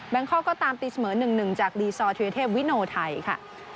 งคอกก็ตามตีเสมอ๑๑จากดีซอร์ธิเทพวิโนไทยค่ะ